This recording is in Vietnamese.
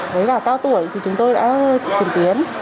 đấy là cao tuổi thì chúng tôi đã kiểm tiến